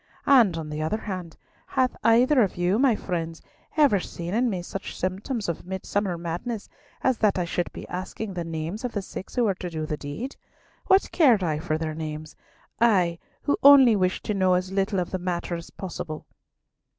And, on the other hand, hath either of you, my friends, ever seen in me such symptoms of midsummer madness as that I should be asking the names of the six who were to do the deed? What cared I for their names? I—who only wished to know as little of the matter as possible!"